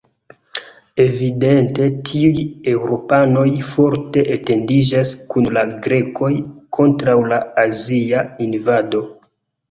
Evidente tiuj eŭropanoj forte identiĝas kun la grekoj kontraŭ la azia invado.